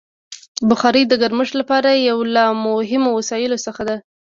بخاري د ګرمښت لپاره یو له مهمو وسایلو څخه ده.